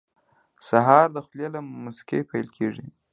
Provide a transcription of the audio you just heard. سهار د خولې له موسکۍ پیل کېږي.